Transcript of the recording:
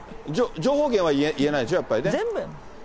情報源は言えないでしょ、や全部。